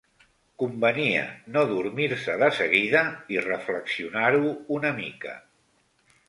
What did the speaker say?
Convenia no dormir-se de seguida i reflexionar-ho una mica.